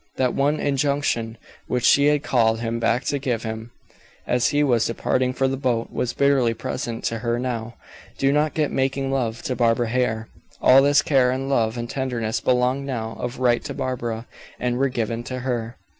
That one injunction which she had called him back to give him, as he was departing for the boat, was bitterly present to her now: "Do not get making love to Barbara Hare." All this care, and love, and tenderness belonged now of right to Barbara, and were given to her.